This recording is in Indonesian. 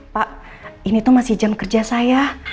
pak ini tuh masih jam kerja saya